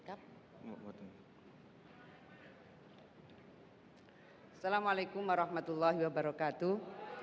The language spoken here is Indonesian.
assalamu'alaikum warahmatullahi wabarakatuh